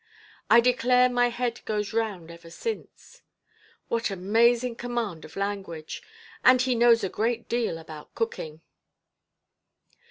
I declare my head goes round ever since! What amazing command of language! And he knows a great deal about cooking".